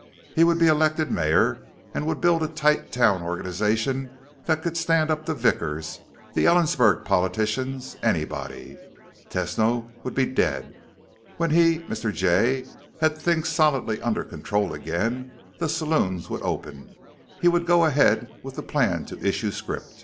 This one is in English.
He would be elected mayor and would build a tight town organization that could stand up to Vickers, the Ellensburg politicians anybody. Tesno would be dead. When he, Mr. Jay, had things solidly under control again, the saloons would open. He would go ahead with the plan to issue scrip....